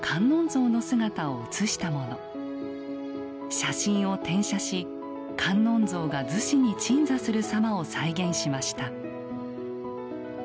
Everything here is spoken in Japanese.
写真を転写し観音像が厨子に鎮座する様を再現しました。